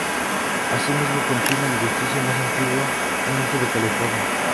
Asimismo, contiene el edificio más antiguo en uso de California.